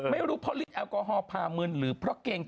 ไม่รู้เพราะรีดแอลกอฮอล์พาเมื่นหลูป